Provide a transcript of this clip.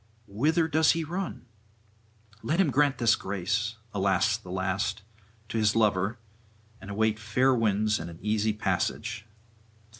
Whither does he run? let him grant this grace alas, the last! to his lover, and await fair winds and an easy passage.